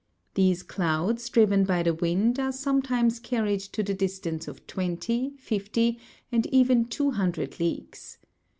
These clouds, driven by the wind, are sometimes carried to the distance of twenty, fifty, and even two hun dred leagues.